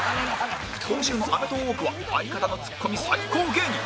今週の『アメトーーク』は相方のツッコミ最高芸人